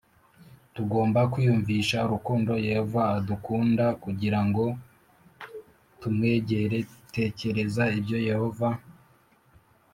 Tugomba kwiyumvisha urukundo Yehova adukunda kugira ngo tumwegere Tekereza ibyo Yehova